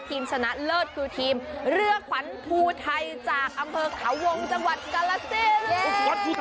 ชนะเลิศคือทีมเรือขวัญภูไทยจากอำเภอเขาวงจังหวัดกาลสิน